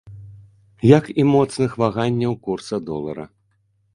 Як і моцных ваганняў курса долара.